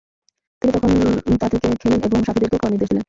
তিনি তখন তা থেকে খেলেন এবং তার সাথীদেরকেও খাওয়ার নির্দেশ দিলেন।